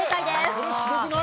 これすごくない？